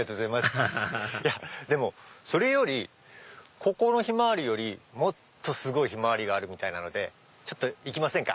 アハハハそれよりここのヒマワリよりもっとすごいヒマワリがあるのでちょっと行きませんか？